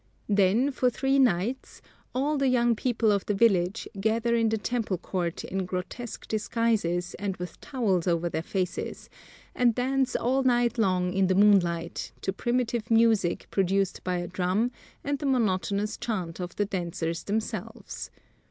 Then for three nights all the young people of the village gather in the temple court in grotesque disguises and with towels over their faces, and dance all night long in the moonlight, to primitive music produced by a drum and the monotonous chant of the dancers themselves.